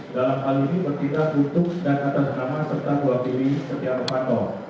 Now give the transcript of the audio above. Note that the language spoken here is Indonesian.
dalam hal ini berdita untuk dan atas nama serta buah diri setiap waktu